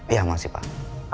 iya masih pak